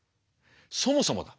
そもそもだ